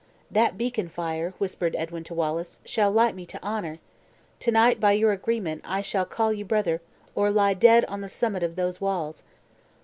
"That beacon fire," whispered Edwin to Wallace, "shall light me to honor! To night, by your agreement, I shall call you brother, or lie dead on the summit of those walls!"